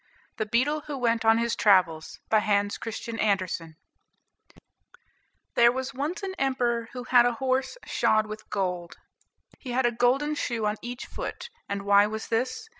THE BEETLE WHO WENT ON HIS TRAVELS There was once an Emperor who had a horse shod with gold. He had a golden shoe on each foot, and why was this?